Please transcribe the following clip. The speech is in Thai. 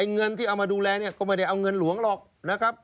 เงินที่เอามาดูแลเนี่ยก็ไม่ได้เอาเงินหลวงหรอกนะครับ